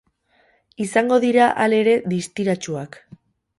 Izango dira, halere, distiratsuak.